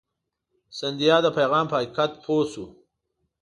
سیندهیا د پیغام په حقیقت پوه شو.